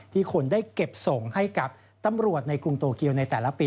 คนได้เก็บส่งให้กับตำรวจในกรุงโตเกียวในแต่ละปี